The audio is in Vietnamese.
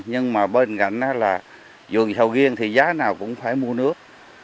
nhưng mà bên cạnh đó là vườn sầu riêng thì giá nào cũng phải mua nước